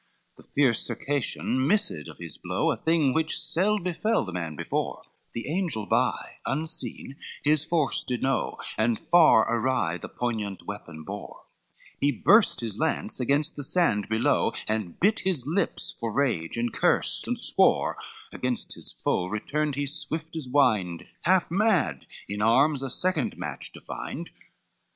LXXXVII The fierce Circassian missed of his blow, A thing which seld befell the man before, The angel, by unseen, his force did know, And far awry the poignant weapon bore, He burst his lance against the sand below, And bit his lips for rage, and cursed and swore, Against his foe returned he swift as wind, Half mad in arms a second match to find.